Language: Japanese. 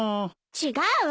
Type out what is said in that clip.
違うわ。